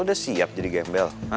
udah siap jadi gembel